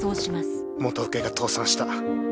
元請けが倒産した。